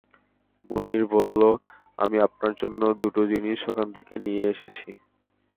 মুনির বলল, আমি আপনার জন্যে দুটো জিনিস ওখান থেকে নিয়ে এসেছি।